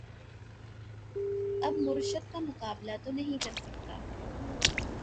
اب مرشد کا مقابلہ تو نہیں کر سکتا